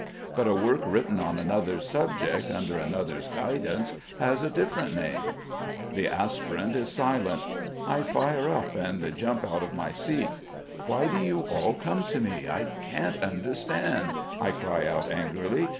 But a work written on another's subject, under another's guidance, has a different name." The aspirant is silent. I fire up and jump out of my seat. "Why do you all come to me? I can't understand," I cry out angrily.